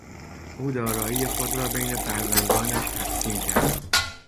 او دارایی خود را بین فرزندانش تقسیم کرد.